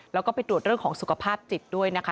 แล้วก็ไปตรวจเรื่องของสุขภาพจิตด้วยนะคะ